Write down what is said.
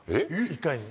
１回に。